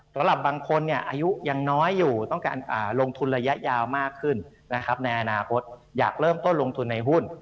สำหรับบางคนอายุยังน้อยอยู่ต้องการลงทุนระยะยาวมากขึ้นนะครับในอนาคตอยากเริ่มต้นลงทุนในหุ้น